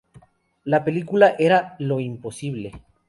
La película era "Lo imposible".